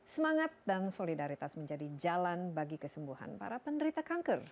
semangat dan solidaritas menjadi jalan bagi kesembuhan para penderita kanker